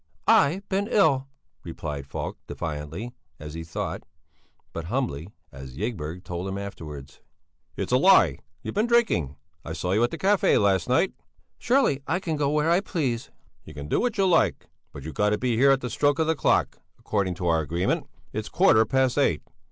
"I've been ill," replied Falk, defiantly, as he thought, but humbly as Ygberg told him afterwards. "It's a lie! You've been drinking! I saw you at a café last night...." "Surely I can go where I please." "You can do what you like; but you've got to be here at the stroke of the clock, according to our agreement. It's a quarter past eight.